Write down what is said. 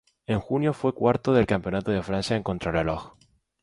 En junio fue cuarto del campeonato de Francia en contrarreloj.